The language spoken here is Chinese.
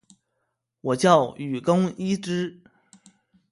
我叫雨宫伊织！